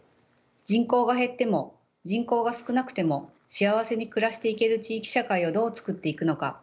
人口が減っても人口が少なくても幸せに暮らしていける地域社会をどうつくっていくのか。